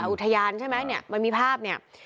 อุทยานใช่ไหมเนี่ยมันมีภาพเนี่ย